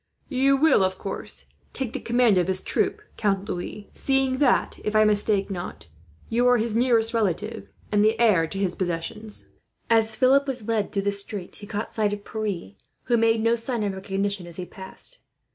"You will, of course, take the command of his troop, Count Louis; seeing that, if I mistake not, you are his nearest relative, and the heir to his possessions." As Philip was led through the streets he caught sight of Pierre, who made no sign of recognition as he passed.